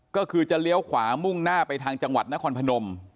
ก็คือจะเลี้ยวขวามุ่งหน้าไปทางจังหวัดนครพนม